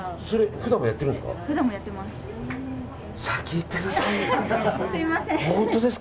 普段もやってます。